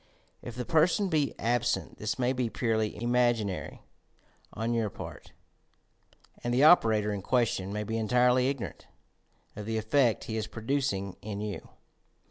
If the per son be absent, this may be purely imaginary on your part, and the operator in question may be entirely ignor ant of the effect he is producing in you